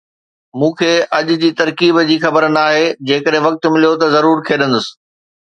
مون کي اڄ جي ترڪيب جي خبر ناهي، جيڪڏهن وقت مليو ته ضرور کيڏندس.